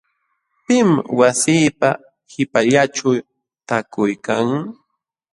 ¿Pim wasiipa qipallanćhu taakuykan.?